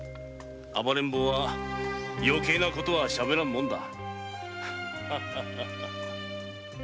暴れん坊は余計な事はしゃべらんもんだ。